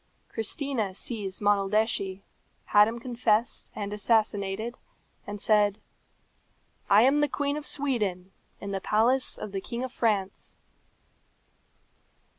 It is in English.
Christina seized Monaldeschi, had him confessed and assassinated, and said, "I am the Queen of Sweden, in the palace of the King of France."